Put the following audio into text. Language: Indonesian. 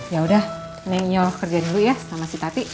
ya udah nen yoi kerjanya dulu ya sama si tati